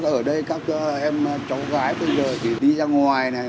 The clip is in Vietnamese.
ở đây các em cháu gái bây giờ chỉ đi ra ngoài này